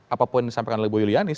apapun yang disampaikan oleh bu yulianis